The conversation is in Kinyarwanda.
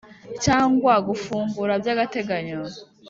cyangwa gufungura by agateganyo